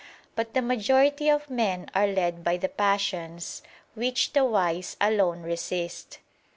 But the majority of men are led by the passions, which the wise alone resist.